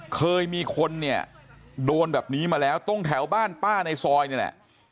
เคยมีคนเนี่ยโดนแบบนี้มาแล้วตรงแถวบ้านป้าในซอยนี่แหละ